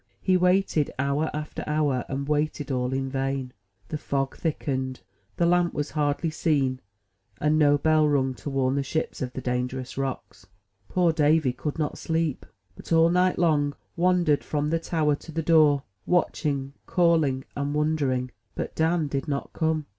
He waited hour after hour, and waited all in vain. The fog thickened, the lamp was hardly seen; and no bell rung to warn the ships of the dan gerous rocks. Poor Davy could not sleep, but all night long wandered from the tower to the door, watching, calling, and wondering; but Dan did not come.